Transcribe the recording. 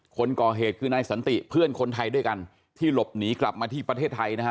คนก่อเหตุคือนายสันติเพื่อนคนไทยด้วยกันที่หลบหนีกลับมาที่ประเทศไทยนะฮะ